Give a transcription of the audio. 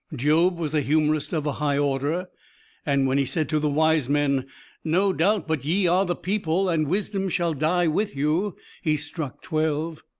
Job was a humorist of a high order, and when he said to the wise men, "No doubt but ye are the people, and wisdom shall die with you," he struck twelve.